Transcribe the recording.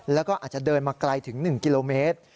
แล้วก็อาจจะเดินมาไกลถึง๑กิโลเมตร